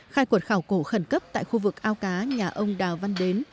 khai quật khảo cổ khẩn cấp tại khu vực ao cá nhà ông đào văn đến